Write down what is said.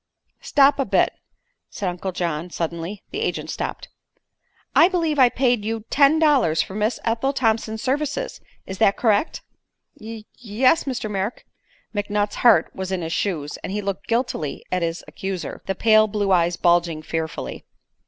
"Stop a bit," said Uncle John, suddenly. The agent stopped. "I believe I paid you ten dollars for Miss Ethel Thompson's services. Is that correct?" "Ye yes, Mr. Merrick." McNutt's heart was in his shoes and he looked guiltily at his accuser, the pale blue eyes bulging fearfully.